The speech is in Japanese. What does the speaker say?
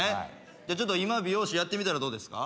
じゃあちょっと今美容師やってみたらどうですか？